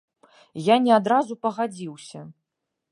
Я не адразу пагадзіўся.